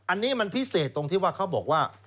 อันนี้มันพิเศษตรงที่ว่าเขาบอกว่า